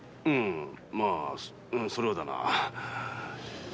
まあそれはだな。